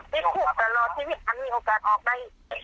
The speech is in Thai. ที่ดรูปทั้งโลกชีวิตมันมีโอกาสออกได้